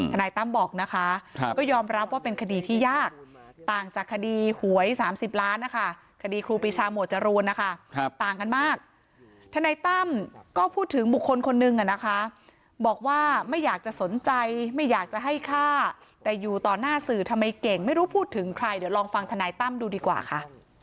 นายตั้มบอกนะคะก็ยอมรับว่าเป็นคดีที่ยากต่างจากคดีหวย๓๐ล้านนะคะคดีครูปีชาหมวดจรูนนะคะต่างกันมากทนายตั้มก็พูดถึงบุคคลคนนึงนะคะบอกว่าไม่อยากจะสนใจไม่อยากจะให้ฆ่าแต่อยู่ต่อหน้าสื่อทำไมเก่งไม่รู้พูดถึงใครเดี๋ยวลองฟังธนายตั้มดูดีกว่าค่ะ